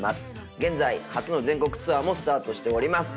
現在初の全国ツアーもスタートしております。